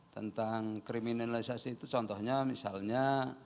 tentang kriminalisasi itu contohnya misalnya